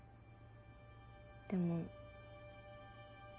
でも。